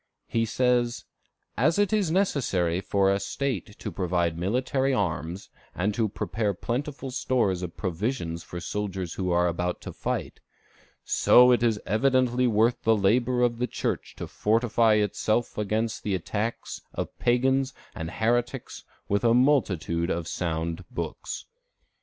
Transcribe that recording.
He says: "As it is necessary for a State to provide military arms, and prepare plentiful stores of provisions for soldiers who are about to fight, so it is evidently worth the labor of the Church to fortify itself against the attacks of pagans and heretics with a multitude of sound books.